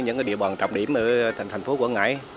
những địa bàn trọng điểm ở thành phố quảng ngãi